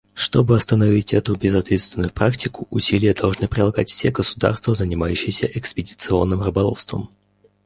Чтобы остановить эту безответственную практику, усилия должны прилагать все государства, занимающиеся экспедиционным рыболовством.